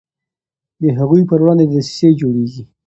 د هغوی پر وړاندې دسیسې جوړیږي.